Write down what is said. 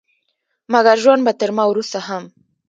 مګر ژوند به تر ما وروسته هم